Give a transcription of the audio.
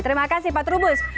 terima kasih pak trubus